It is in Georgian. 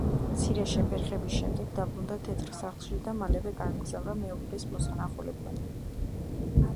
მცირე შეფერხების შემდეგ დაბრუნდა თეთრ სახლში და მალევე გაემგზავრა მეუღლის მოსანახულებლად.